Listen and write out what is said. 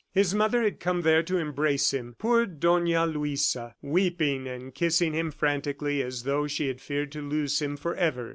His mother had come there to embrace him, poor Dona Luisa, weeping and kissing him frantically as though she had feared to lose him forever.